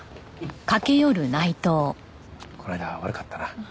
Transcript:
この間は悪かったな。